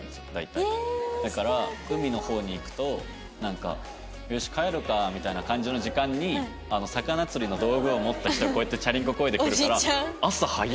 だから海の方に行くと「よし帰るか」みたいな感じの時間に魚釣りの道具を持った人がこうやってチャリンコ漕いで来るから「朝早っ！」